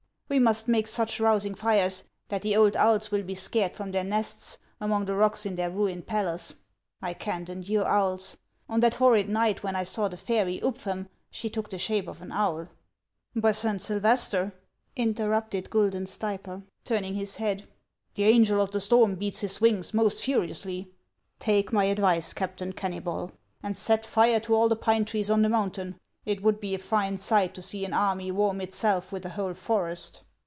" We must make such rousing tires that the old owls will be scared from their nests among the rocks in their ruined palace. I can't endure owls. On that horrid night when I saw the fairy Ubfem she took the shape of an owl." " By Saint Sylvester !" interrupted Guidon Stayper, turn ing his head, " the angel of the storm beats his wings most furiously ! Take my advice, Captain Kennybol, and set fire to all the pine trees on the mountain. It would be a fine sight to see an army warm itself with a whole forest."